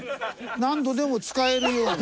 何度でも使えるように。